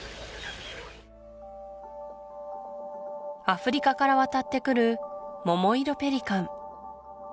アフリカから渡ってくるモモイロペリカン